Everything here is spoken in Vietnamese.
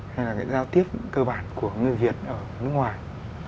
hay là cái giao tiếp cơ bản của người việt ở nước ngoài